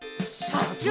社長！？